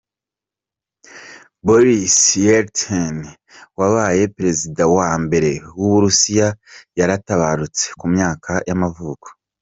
Boris Yeltsin, wabaye perezida wa mbere w’uburusiya yaratabarutse, ku myaka y’amavuko.